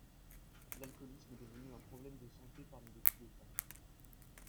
L’alcoolisme est devenu un problème de santé parmi les Tibétains.